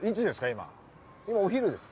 今お昼です。